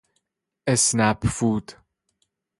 اسنپ فود